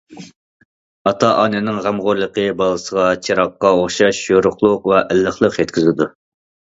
ئاتا- ئانىنىڭ غەمخورلۇقى بالىسىغا چىراغقا ئوخشاش يورۇقلۇق ۋە ئىللىقلىق يەتكۈزىدۇ.